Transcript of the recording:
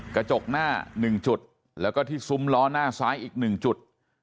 กระจกหน้า๑จุดแล้วก็ที่ซุ้มล้อหน้าซ้ายอีก๑จุด